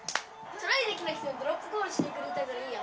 トライできなくても、ドロップゴールしてくれたからいいや。